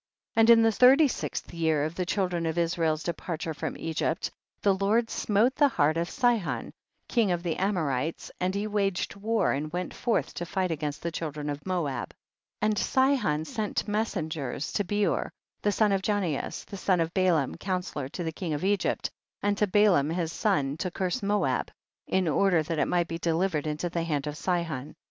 And in the thirty sixth year of the children of Israel's departure from Egypt the Lord smote the heart of Sihon, king of the Amorites, and he waged war, and went forth to fight against the children of Moab. 15. And Sihon sent messengers to Beor the son of Janeas, the son of Balaam, counsellor to the king of Egypt, and to Balaam his son, to curse Moab, in order that it might be delivered into the hand of Sihon. 16.